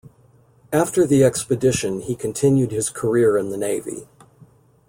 After the expedition he continued his career in the navy.